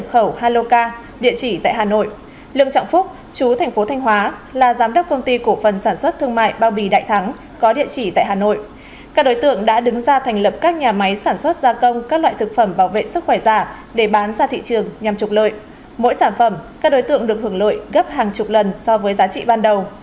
mỗi sản phẩm các đối tượng được hưởng lội gấp hàng chục lần so với giá trị ban đầu